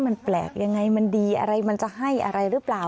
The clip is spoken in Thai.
มันแปลกยังไงมันดีอะไรมันจะให้อะไรหรือเปล่า